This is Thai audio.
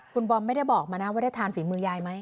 คุณบอมไม่ได้บอกมานะว่าได้ทานฝีมือยายไหม